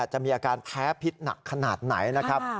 จะมีอาการแพ้พิษหนักขนาดไหนนะครับ